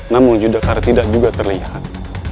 namun judekar tidak juga terlihat